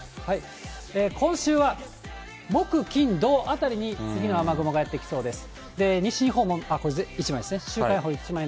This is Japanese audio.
今週は木、金、土、あたりに次の雨雲がやって来そうです。